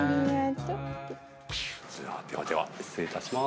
では失礼いたします。